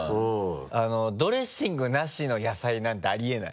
ドレッシングなしの野菜なんてあり得ない？